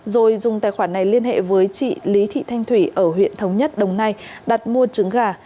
rồi dùng tài khoản này liên hệ với chị lý thị thanh thủy ở huyện thống nhất đồng nai đặt mua trứng gà